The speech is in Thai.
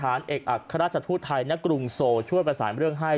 กระทั่งสถานเอกอักษรราชทธุทธัยนกรุงโซช่วยประสานเรื่องให้